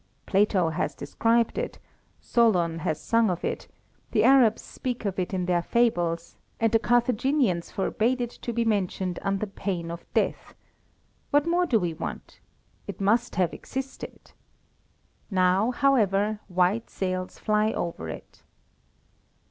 Plato has described it; Solon has sung of it; the Arabs speak of it in their fables, and the Carthaginians forbade it to be mentioned under pain of death what more do we want? It must have existed! Now, however, white sails fly over it.